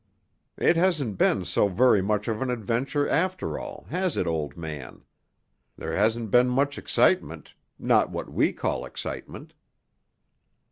It hasn't been so very much of an adventure, after all, has it, old man? There hasn't been much excitement—not what we call excitement."